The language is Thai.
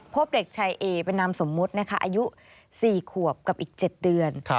พบเด็กชายเอเป็นนามสมมุตินะคะอายุ๔ขวบกับอีก๗เดือน